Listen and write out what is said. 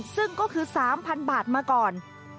ซึ่งก็คือ๓๐๐๐บาทมาก่อน